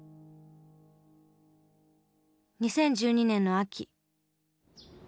２０１２年の秋。